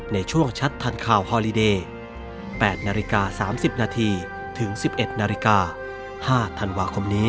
ในช่วงชัดทันข่าวฮอลิเดย์๘นาฬิกา๓๐นาทีถึง๑๑นาฬิกา๕ธันวาคมนี้